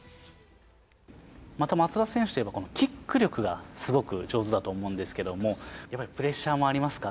松田選手といえば、このキック力がすごく上手だと思うんですけど、やっぱりプレッシャーもありますか？